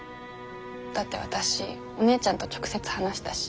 だって私お姉ちゃんと直接話したし。